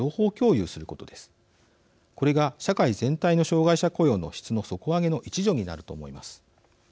これが社会全体の障害者雇用の質の底上げの一助になると思います。